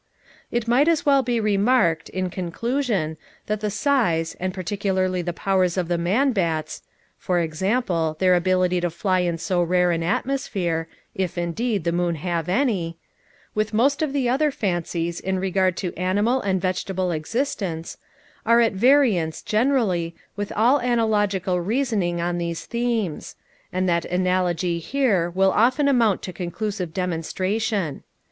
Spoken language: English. It might as well be remarked, in conclusion, that the size, and particularly the powers of the man bats (for example, their ability to fly in so rare an atmosphere—if, indeed, the moon have any), with most of the other fancies in regard to animal and vegetable existence, are at variance, generally, with all analogical reasoning on these themes; and that analogy here will often amount to conclusive demonstration.